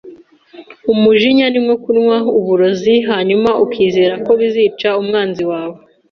Umujinya ni nko kunywa uburozi, hanyuma ukizera ko bizica umwanzi wawe.